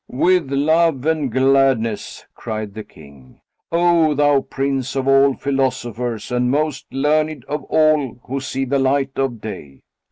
"With love and gladness," cried the King, "O thou Prince of all philosophers and most learned of all who see the light of day."